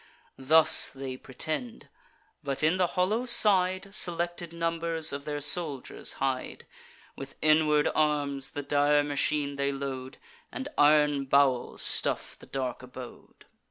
Thus they pretend, but in the hollow side Selected numbers of their soldiers hide: With inward arms the dire machine they load, And iron bowels stuff the dark abode.